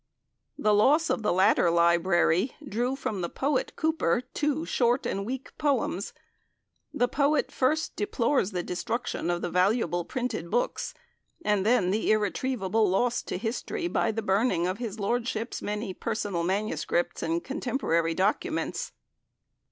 The loss of the latter library drew from the poet Cowper two short and weak poems. The poet first deplores the destruction of the valuable printed books, and then the irretrievable loss to history by the burning of his Lordship's many personal manuscripts and contemporary documents.